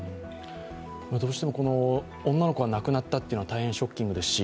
どうしても女の子が亡くなったというのは大変ショッキングですし